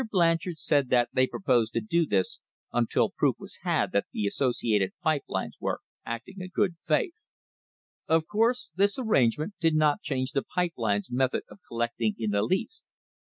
Blanchard said that they proposed to do this until proof was had that the associ ated pipe lines were acting in good faith. Of course this arrangement did not change the pipe lines' methods of collect ing in the least.